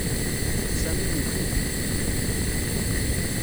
Sami yuki.